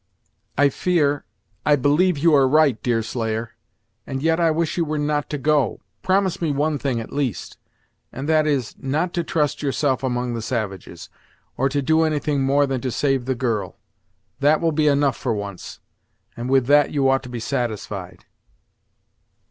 "I fear I believe you are right, Deerslayer, and yet I wish you were not to go! Promise me one thing, at least, and that is, not to trust yourself among the savages, or to do anything more than to save the girl. That will be enough for once, and with that you ought to be satisfied."